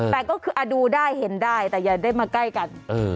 แต่ก็คือดูได้เห็นได้แต่อย่าได้มาใกล้กัน